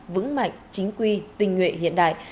vững mạnh chính quy tình nguyện hiện đại